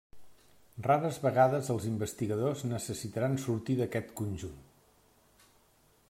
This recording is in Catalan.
Rares vegades els investigadors necessitaran sortir d'aquest conjunt.